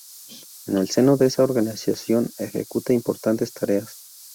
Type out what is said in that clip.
En el seno de esa organización ejecuta importantes tareas.